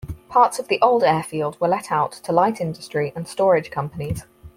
Parts of the old airfield were let out to light industry and storage companies.